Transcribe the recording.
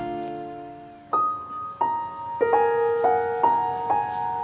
pembeli buku shalat